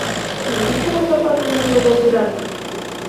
Metíchelo zapato dentro do burato?